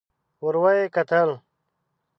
ور ويې کتل.